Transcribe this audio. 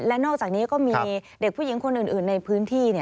และนอกจากนี้ก็มีเด็กผู้หญิงคนอื่นในพื้นที่